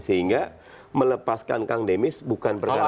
sehingga melepaskan kang demis bukan pergerakan mudah